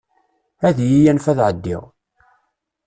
Ad iyi-yanef ad ɛeddiɣ.